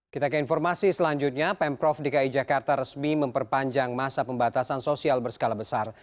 kita ke informasi selanjutnya pemprov dki jakarta resmi memperpanjang masa pembatasan sosial berskala besar